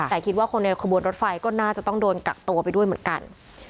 แต่คิดว่าคนในขบวนรถไฟก็น่าจะต้องโดนกักตัวไปด้วยเหมือนกัน